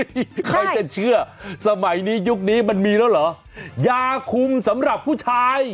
ใครจะเชื่อสมัยนี้ยุคนี้มันมีแล้วเหรอยาคุมสำหรับผู้ชาย